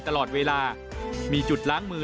ตลอดเวลามีจุดล้างมือ